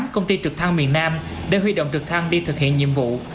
tám công ty trực thăng miền nam đã huy động trực thăng đi thực hiện nhiệm vụ